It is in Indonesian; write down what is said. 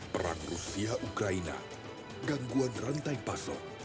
perang rusia ukraina gangguan rantai pasok